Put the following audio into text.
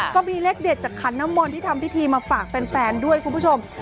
ก็มีเลขเด็ดจากขันน้ำมนต์ที่ทำพิธีมาฝากแฟนด้วยคุณผู้ชม